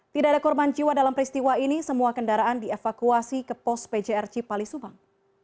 tidak ada korban jiwa dalam peristiwa ini semua kendaraan dievakuasi ke pos pjr cipali subang